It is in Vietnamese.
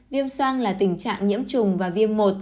viêm soang là tình trạng nhiễm trùng và viêm một